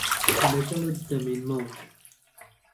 لەگەڵت دەمێنمەوە.